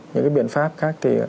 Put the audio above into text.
những cái biện pháp khác